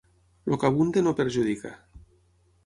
El que abunda no perjudica.